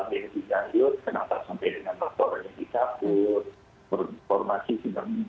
muncul setelah ini rame